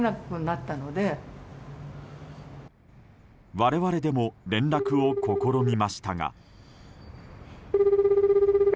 我々でも連絡を試みましたが。